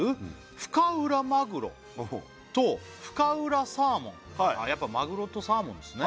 「深浦マグロと深浦サーモン」あっやっぱマグロとサーモンですね